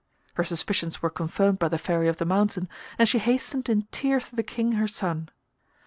Her suspicions were confirmed by the Fairy of the Mountain, and she hastened in tears to the King, her son.